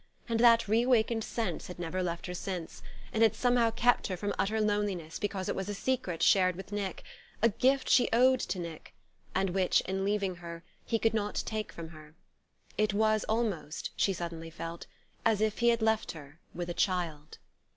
And that re awakened sense had never left her since, and had somehow kept her from utter loneliness because it was a secret shared with Nick, a gift she owed to Nick, and which, in leaving her, he could not take from her. It was almost, she suddenly felt, as if he had left her with a child.